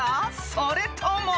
［それとも］